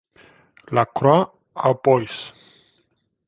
La Croix-aux-Bois